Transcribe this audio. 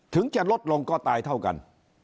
ถึงจะลดลงก็ตายเท่ากัน